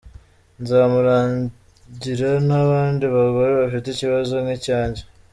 Nzamurangira n’abandi bagore bafite ikibazo nk’icyanjye.